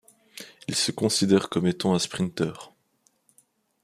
Il se considère comme étant un sprinteur.